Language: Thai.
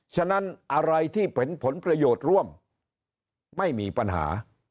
ฉะนั้นอะไรที่เป็นผลประโยชน์ร่วมไม่มีปัญหา